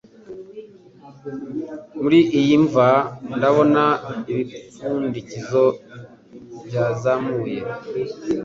muri iyi mva Ndabona ibipfundikizo byazamuye